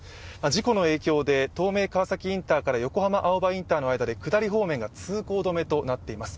事故の影響で東名川崎インターから横浜青葉インターまで下り方面が通行止めとなっています。